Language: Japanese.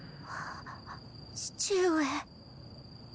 父上。